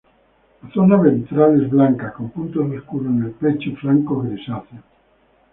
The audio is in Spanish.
La zona ventral es blanca con puntos oscuros en el pecho y flancos grisáceos.